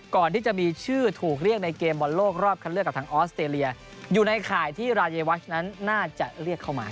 ก่อนที่จะมีชื่อถูกเรียกในเกมบอลโลกรอบคันเลือกกับทางออสเตรเลียอยู่ในข่ายที่รายวัชนั้นน่าจะเรียกเข้ามา